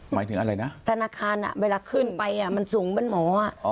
หมายถึงอะไรนะธนาคารอ่ะเวลาขึ้นไปอ่ะมันสูงบ้านหมออ่ะ